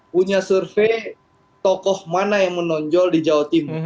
punya survei tokoh mana yang menonjol di jawa timur